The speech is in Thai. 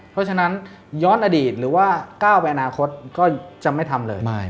เพราะฉะนั้นย้อนอดีตหรือว่าก้าวไปอนาคตก็จะไม่ทำเลย